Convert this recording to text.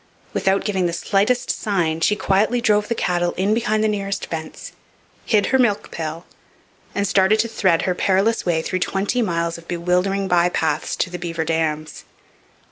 Without giving the slightest sign she quietly drove the cattle in behind the nearest fence, hid her milk pail, and started to thread her perilous way through twenty miles of bewildering bypaths to the Beaver Dams.